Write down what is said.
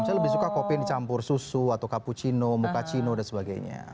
saya lebih suka kopi yang dicampur susu atau cappuccino mukacino dan sebagainya